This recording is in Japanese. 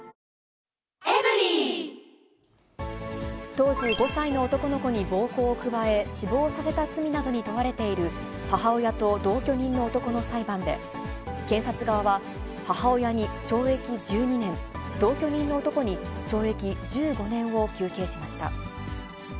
当時５歳の男の子に暴行を加え、死亡させた罪などに問われている、母親と同居人の男の裁判で、検察側は母親に懲役１２年、同居人の男に懲役１５年を求刑しました。